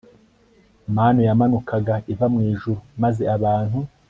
Manu yamanukaga iva mu ijuru maze abantu